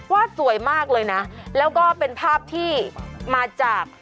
สวยมากเลยนะแล้วก็เป็นภาพที่มาจาก